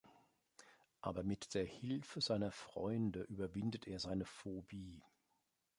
Aber mit der Hilfe seiner Freunde überwindet er seine Phobie.